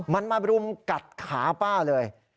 มันมารุมกัดขาป้าเลย